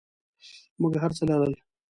موږ هرڅه لرل.